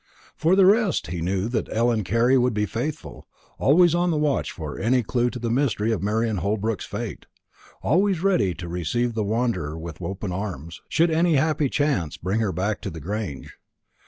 For the rest, he knew that Ellen Carley would be faithful always on the watch for any clue to the mystery of Marian Holbrook's fate, always ready to receive the wanderer with open arms, should any happy chance bring her back to the Grange.